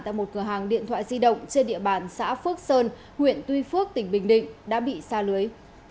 tại một cửa hàng điện thoại di động trên địa bàn xã phước sơn huyện tuy phước tỉnh bình định đã bị xa lưới